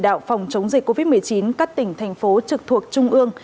đạo phòng chống dịch covid một mươi chín các tỉnh thành phố trực thuộc trung ương